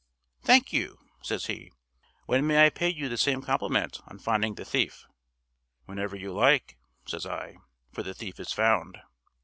"Thank you," says he. "When may I pay you the same compliment on finding the thief?" "Whenever you like," says I, "for the thief is found."